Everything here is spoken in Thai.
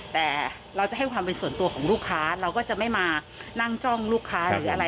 แต่เราจะให้ความเป็นส่วนตัวของลูกค้าเราก็จะไม่มานั่งจ้องลูกค้าหรืออะไร